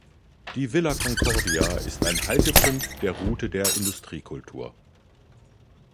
Die Villa Concordia ist ein Haltepunkt der Route der Industriekultur.